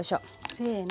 せの。